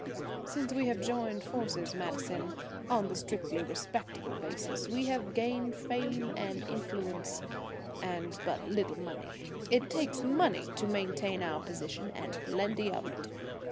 "Since we joined forces, Madison, on the strictly respectable basis, we have gained fame and influence, and but little money. It takes money to maintain our position, and plenty of it.